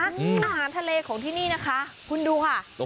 อาหารทะเลของที่นี่นะคะคุณดูค่ะ